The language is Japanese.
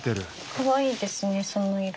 かわいいですねその色。